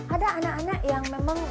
ada anak anak yang memang tidak dibatalkan